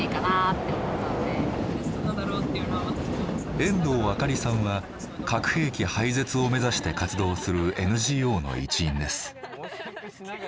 遠藤あかりさんは核兵器廃絶を目指して活動するＮＧＯの一員です。